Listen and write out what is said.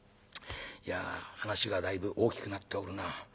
いや話がだいぶ大きくなっておるな。